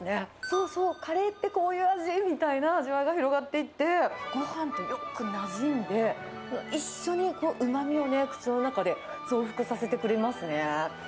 そうそう、カレーってこういう味みたいな味わいが広がっていって、ごはんとよくなじんで、一緒にうまみをね、口の中で増幅させてくれますね。